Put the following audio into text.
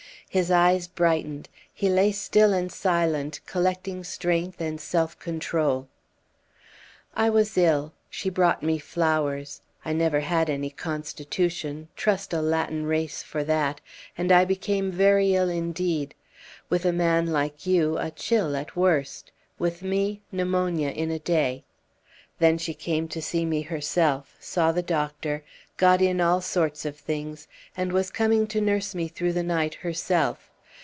His eyes brightened. He lay still and silent, collecting strength and self control. "I was ill; she brought me flowers. I never had any constitution trust a Latin race for that and I became very ill indeed. With a man like you, a chill at worst; with me, pneumonia in a day. Then she came to see me herself, saw the doctor, got in all sorts of things, and was coming to nurse me through the night herself.